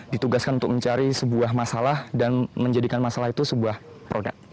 ditugaskan untuk mencari sebuah masalah dan menjadikan masalah itu sebuah produk